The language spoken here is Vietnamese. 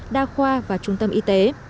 đa khoa và trung tâm y tế